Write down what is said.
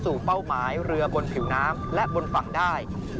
เป้าหมายเรือบนผิวน้ำและบนฝั่งได้